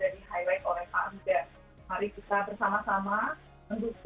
sehingga kelewatan belajar belajar dapat terlaksana dengan baik